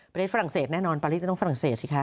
ฝรั่งเศสแน่นอนปารีสก็ต้องฝรั่งเศสสิคะ